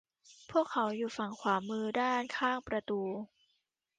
พวกเขาอยู่ฝั่งขวามือด้านข้างประดู